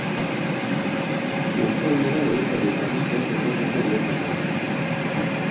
Urte horietan egunkari eta aldizkari desberdinetan idatzi zuen.